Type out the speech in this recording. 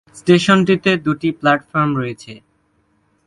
স্টেশনটিতে দুটি প্ল্যাটফর্ম রয়েছে।